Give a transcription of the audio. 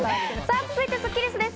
続いて、スッキりすです。